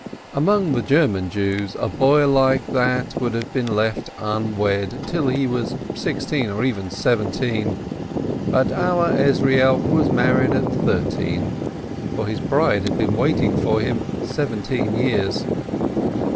Among the German Jews a boy like that would have been left unwed till he was sixteen or even seventeen, but our Ezrielk was married at thirteen, for his bride had been waiting for him seventeen years.